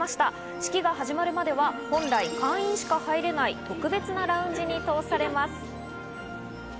式が始まるまでは本来、会員しか入れない特別なラウンジに通されます。